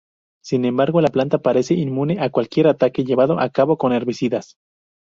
Sin embargo, la planta parece inmune a cualquier ataque llevado a cabo con herbicidas.